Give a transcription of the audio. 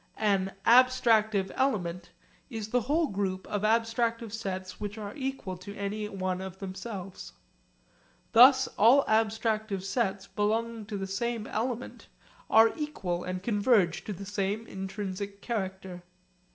An 'abstractive element' is the whole group of abstractive sets which are equal to any one of themselves. Thus all abstractive sets belonging to the same element are equal and converge to the same intrinsic character.